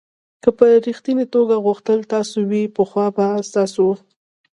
که په ریښتني توګه غوښتل ستاسو وي پخوا به ستاسو و.